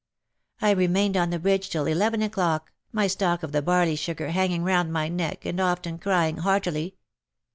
I remained on the bridge till eleven o'clock, my stock of barley sugar hanging round my neck, and often crying heartily.